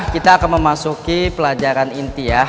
kita akan memasuki pelajaran inti ya